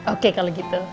oke kalau gitu